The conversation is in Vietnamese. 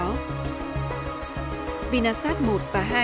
vì nasa đã đặt một loạt thông tin vệ tinh quốc tế trên thị trường thông tin vệ tinh quốc tế